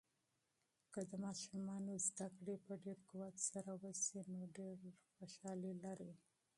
که د ماشومانو تعلیم په ډیر قوت سره وسي، نو ډیر خوشحالي لري.